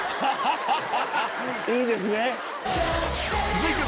いいですね。